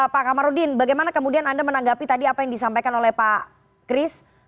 pak kamarudin bagaimana kemudian anda menanggapi tadi apa yang disampaikan oleh pak kris